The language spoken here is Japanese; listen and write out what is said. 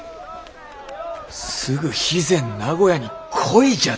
すぐ肥前名護屋に来いじゃと？